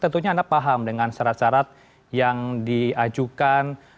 tentunya anda paham dengan syarat syarat yang diajukan